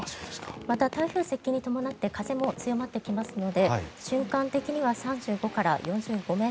また、台風接近に伴って風も強まってきますので瞬間的には３５ｍから４５ｍ